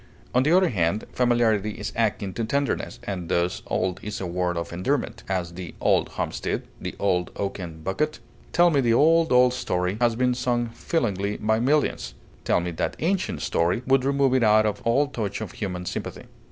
On the other hand, familiarity is akin to tenderness, and thus old is a word of endearment; as, "the old homestead," the "old oaken bucket." "Tell me the old, old story!" has been sung feelingly by millions; "tell me that ancient story" would remove it out of all touch of human sympathy.